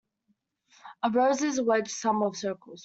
A rose is a wedge sum of circles.